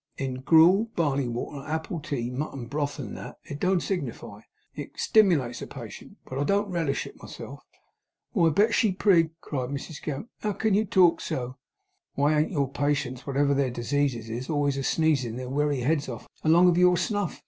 'In gruel, barley water, apple tea, mutton broth, and that, it don't signify. It stimulates a patient. But I don't relish it myself.' 'Why, Betsey Prig!' cried Mrs Gamp, 'how CAN you talk so!' 'Why, ain't your patients, wotever their diseases is, always asneezin' their wery heads off, along of your snuff?